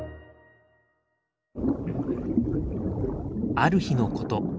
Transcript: ある日のこと。